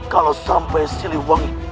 kalau sampai siliwangi